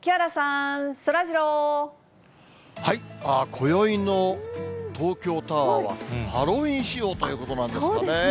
こよいの東京タワーはハロウィーン仕様ということなんですかね。